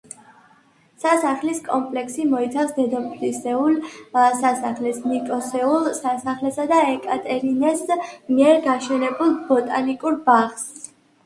სასახლის კომპლექსი მოიცავს დედოფლისეულ სასახლეს, ნიკოსეულ სასახლესა და ეკატერინეს მიერ გაშენებულ ბოტანიკურ ბაღს.